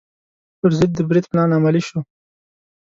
پر ضد د برید پلان عملي شو.